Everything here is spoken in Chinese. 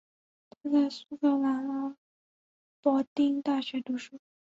他在苏格兰阿伯丁大学读书。